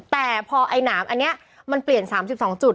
แต่พอไอ้หนามอันนี้มันเปลี่ยน๓๒จุด